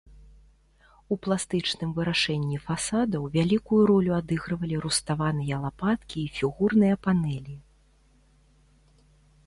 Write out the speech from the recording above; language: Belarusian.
У пластычным вырашэнні фасадаў вялікую ролю адыгрывалі руставаныя лапаткі і фігурныя панэлі.